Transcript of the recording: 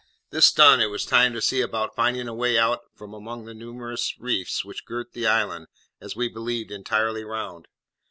This done, it was time to see about finding a way out from among the numerous reefs which girt the island, as we believed, entirely round.